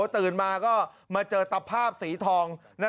ตื่นมาก็มาเจอตะภาพสีทอง